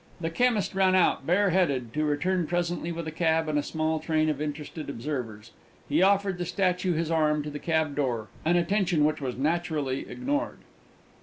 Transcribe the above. The chemist ran out bare headed, to return presently with a cab and a small train of interested observers. He offered the statue his arm to the cab door, an attention which was naturally ignored.